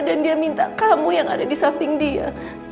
dan dia minta kamu yang ada di samping dia